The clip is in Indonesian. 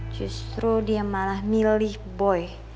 justru dia malah milih boy